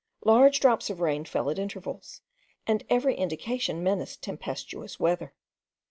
Large drops of rain fell at intervals, and every indication menaced tempestuous weather.